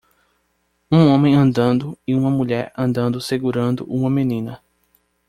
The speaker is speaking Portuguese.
um homem andando e uma mulher andando segurando uma menina